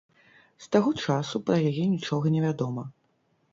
З таго часу пра яе нічога не вядома.